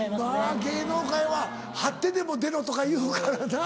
芸能界ははってでも出ろとか言うからな。